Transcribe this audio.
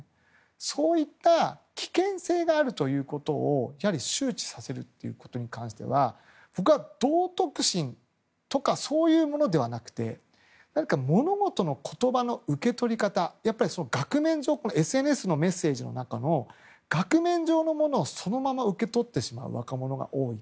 そういった危険性があるということを周知させるということに関しては僕は道徳心とかそういうものではなくて何か物事の言葉の受け取り方ＳＮＳのメッセージの中の額面上のものをそのまま受け取る若者が多い。